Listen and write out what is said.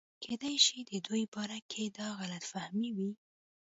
کېدے شي دَدوي باره کښې دا غلط فهمي وي